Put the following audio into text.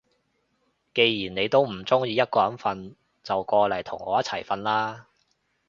既然你都唔中意一個人瞓，就過嚟同我一齊瞓啦